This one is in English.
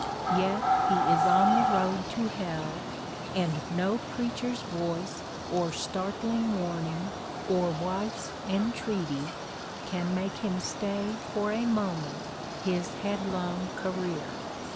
Yet he is on the road to hell, and no preacher's voice, or startling warning, or wife's entreaty, can make him stay for a moment his headlong career.